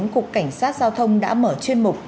cục cảnh sát giao thông đã mở chuyên mục